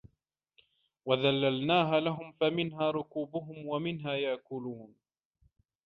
وَذَلَّلناها لَهُم فَمِنها رَكوبُهُم وَمِنها يَأكُلونَ